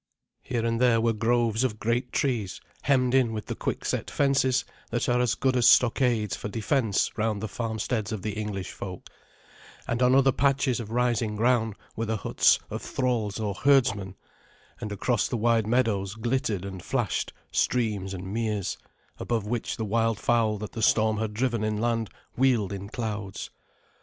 Here and there were groves of great trees, hemmed in with the quickset fences that are as good as stockades for defence round the farmsteads of the English folk, and on other patches of rising ground were the huts of thralls or herdsmen, and across the wide meadows glittered and flashed streams and meres, above which the wildfowl that the storm had driven inland wheeled in clouds.